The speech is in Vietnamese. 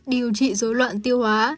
điều trị dối loạn tiêu hóa